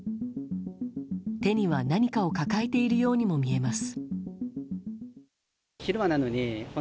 手には何かを抱えているようにも見えます。